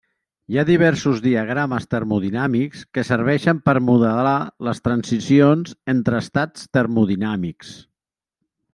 Hi ha diversos diagrames termodinàmics que serveixen per modelar les transicions entre estats termodinàmics.